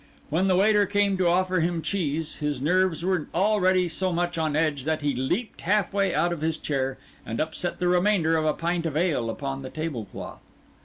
When the waiter came to offer him cheese, his nerves were already so much on edge that he leaped half way out of his chair and upset the remainder of a pint of ale upon the table cloth.